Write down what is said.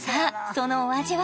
そのお味は？